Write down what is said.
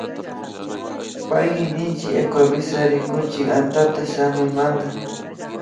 Payki ninchi Ecuavisa rikuchik antata shamuymanta